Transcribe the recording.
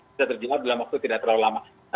bisa terjawab dalam waktu tidak terlalu lama